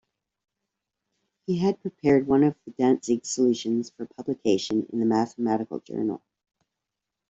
He had prepared one of Dantzig's solutions for publication in a mathematical journal.